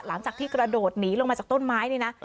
หลังปีกระโดดหนีลงมาจากต้นไม้